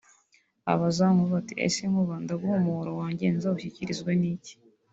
abaza Nkuba ati “Ese Nkuba ndaguha umuhoro wanjye nzawushyikirizwe n’iki